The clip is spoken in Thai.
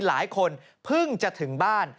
หลายคนเพิ่งจะถึงบ้าน